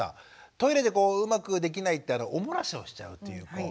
トイレでうまくできないお漏らしをしちゃうという子。